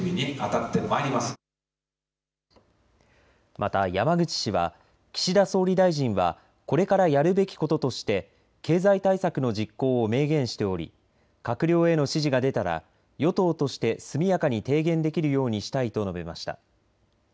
また、山口氏は岸田総理大臣はこれからやるべきこととして経済対策の実行を明言しており閣僚への指示が出たら与党として速やかに提言できるようにしたいと述べました。